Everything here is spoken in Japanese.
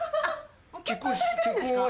結婚されてるんですか？